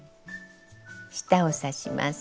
下を刺します。